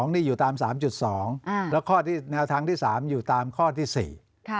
๒นี่อยู่ตาม๓๒แล้วแนวทางที่๓อยู่ตามข้อที่๔